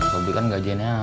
sobri kan gajiannya